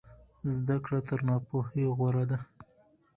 زده کړه تر ناپوهۍ غوره ده.